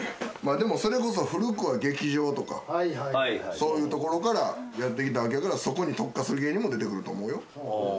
それこそ古くは劇場とかそういうところからやってきたわけやからそこに特化する芸人も出てくると思うよ。